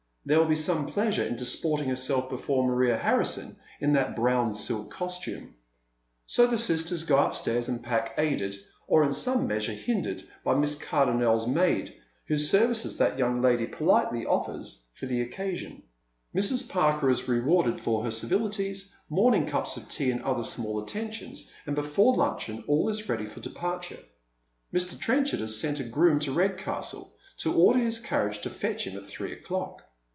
There will be some pleasure in disporting herself be fore Maria Hanison in that brown silk costume. So_ the sisters go upstairs and pack, aided, or in some measure hindered, by Miss Cardonnel's maid, whose services that young lady poliLe'y 216 Dead Men^s Shoes. offers for the occasion. Mrs. Parker is rewarded for her civilitiea, morning cups of tea and other small attentions, and before luncheon all is ready for departure. Mr. Trenchard has sent a groom to Redcastle to order his carriage to fetch him at three o'clock.